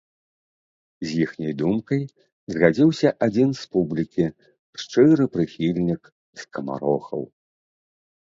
З іхняй думкай згадзіўся адзін з публікі, шчыры прыхільнік скамарохаў.